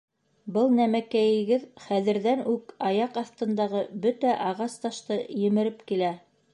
— Был нәмәкәйегеҙ хәҙерҙән үк аяҡ аҫтындағы бөтә ағас-ташты емереп килә...